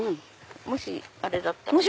もしあれだったらね。